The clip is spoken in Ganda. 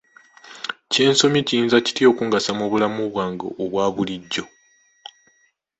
Kye nsomye kiyinza kitya okungasa mu bulamu bwange obwabulijjo?